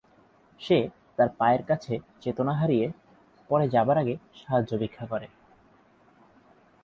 সে তার পায়ের কাছে চেতনা হারিয়ে পরে যাবার আগে সাহায্য ভিক্ষা করে।